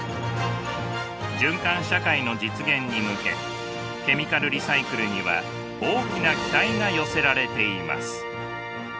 循環社会の実現に向けケミカルリサイクルには大きな期待が寄せられています。